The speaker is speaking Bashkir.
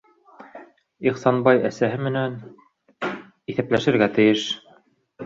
Ихсанбай әсәһе менән... иҫәпләшергә тейеш!